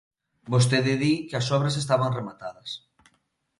Vostede di que as obras estaban rematadas.